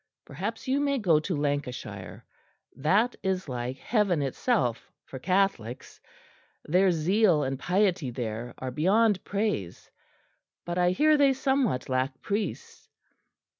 Perhaps you may go to Lancashire; that is like heaven itself for Catholics. Their zeal and piety there are beyond praise; but I hear they somewhat lack priests.